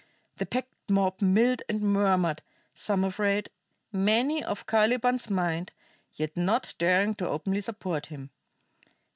The packed mob milled and murmured, some afraid, many of Caliban's mind yet not daring to openly support him.